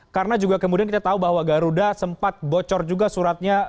karena juga kemudian kita tahu bahwa garuda sempat bocor juga suratnya